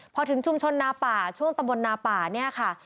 พอถึงชุมชนนาป่าช่วงตำบลนาป่าเนี่ยค่ะ